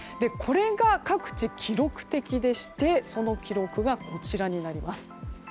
これが各地、記録的でしてその記録がこちらになります。